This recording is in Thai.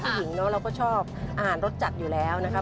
หญิงเนอะเราก็ชอบอาหารรสจัดอยู่แล้วนะครับ